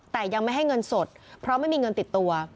แต่ยังไม่ให้เงินสดเพราะไม่มีเงินติดตัว